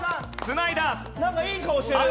なんかいい顔してる。